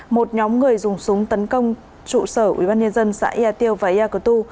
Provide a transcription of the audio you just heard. một nhóm người dùng súng tấn công trụ sở ubnd xã yà tiêu và yà cơ tu